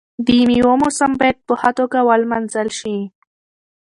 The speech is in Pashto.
د میوو موسم باید په ښه توګه ولمانځل شي.